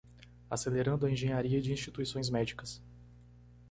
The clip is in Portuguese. Acelerando a engenharia de instituições médicas